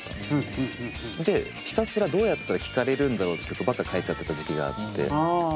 でひたすらどうやったら聴かれるんだろうって曲ばっか書いちゃってた時期があって。